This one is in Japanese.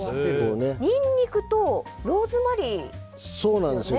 ニンニクとローズマリーですよね。